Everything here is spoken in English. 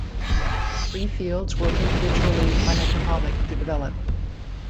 The three fields were individually uneconomic to develop.